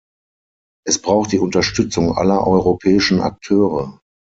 Es braucht die Unterstützung aller europäischen Akteure.